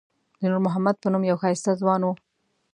د نور محمد په نوم یو ښایسته ځوان و.